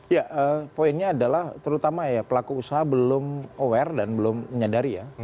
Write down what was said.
ya poinnya adalah terutama ya pelaku usaha belum aware dan belum menyadari ya